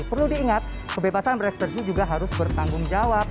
perlu diingat kebebasan berekspresi juga harus bertanggung jawab